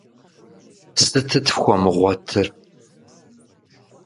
Сытыт фхуэмыгъуэтыр?